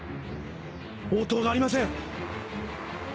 応答がありません！